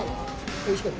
おいしかった？